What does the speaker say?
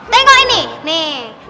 tengok ini nih